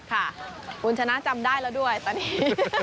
ค่ะคุณชนะจำได้แล้วด้วยตอนนี้